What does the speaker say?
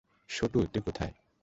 শুটু, তুই কোথায়?